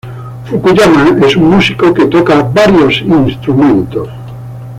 Fukuyama es un músico que toca varios instrumentos.